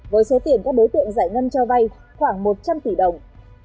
với số tiền các đối tượng giải ngân cho vay khoảng một trăm linh tỷ đồng